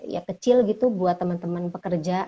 ya kecil gitu buat temen temen pekerja